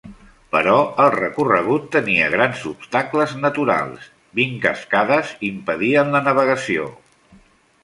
Però el recorregut tenia grans obstacles naturals: vint cascades impedien la navegació.